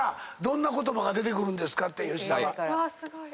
わすごい！